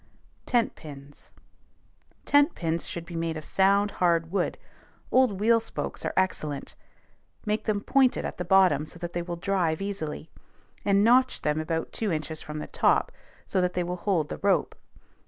TENT PINS. Tent pins should be made of sound hard wood; old wheel spokes are excellent. Make them pointed at the bottom, so that they will drive easily; and notch them about two inches from the top, so that they will hold the rope.